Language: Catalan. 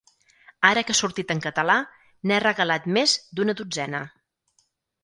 Ara que ha sortit en català, n’he regalat més d’una dotzena.